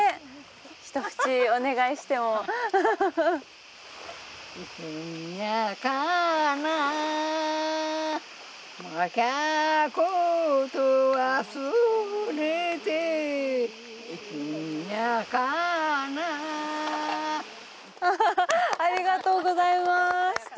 一節お願いしてもありがとうございます素敵！